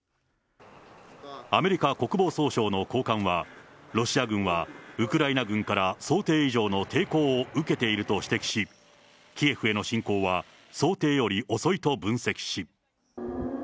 アメリカ国防総省の高官は、ロシア軍はウクライナ軍から想定以上の抵抗を受けていると指摘し、キエフへの侵攻は想定より遅いと分析し。